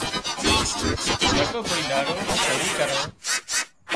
نڪو ڪوئي ۮاڙو سورِي ڪران